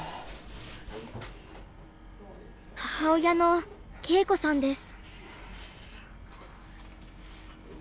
母親の恵子さんです。